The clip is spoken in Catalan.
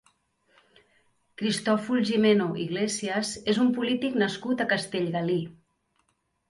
Cristòfol Gimeno Iglesias és un polític nascut a Castellgalí.